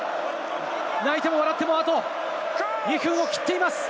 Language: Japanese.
泣いても笑っても、あと２分を切っています。